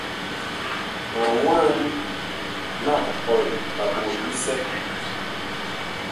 Ma mwaan mag ɔl la ɓot bisɛ.